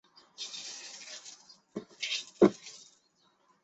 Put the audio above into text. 肉身像的头发和指甲至今仍在生长。